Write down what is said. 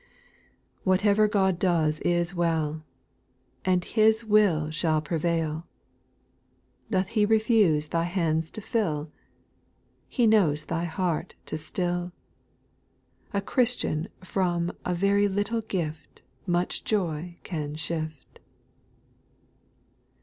4. Whatever God does is well ! And His will shall prevail. Doth He refuse thy hands to fill ? He knows Thy heart to still. A Christian from a very little gift Much joy can sift.